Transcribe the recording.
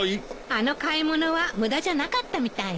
あの買い物は無駄じゃなかったみたいね。